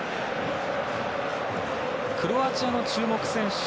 クロアチアの注目選手